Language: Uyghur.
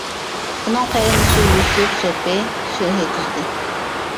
ئۇنىڭ قېرىندىشى يۈسۈپ سوپى سۈلھى تۈزدى.